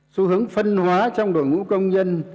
xu hướng phân hóa trong đội ngũ công nhân